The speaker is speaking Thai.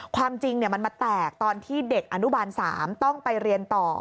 ความจริงมันมาแตกตอนที่เด็กอนุบาล๓ต้องไปเรียนต่อ